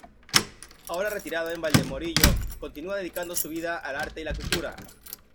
Ahora retirado en Valdemorillo, continúa dedicando su vida al arte y la cultura.